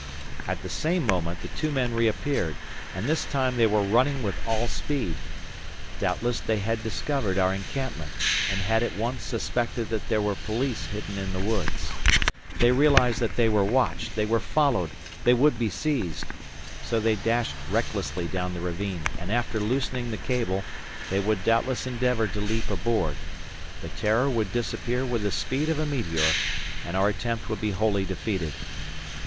At the same moment, the two men reappeared, and this time they were running with all speed. Doubtless they had discovered our encampment, and had at once suspected that there were police hidden in the woods. They realized that they were watched, they were followed, they would be seized. So they dashed recklessly down the ravine, and after loosening the cable, they would doubtless endeavor to leap aboard. The "Terror" would disappear with the speed of a meteor, and our attempt would be wholly defeated!